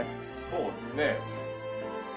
そうですね。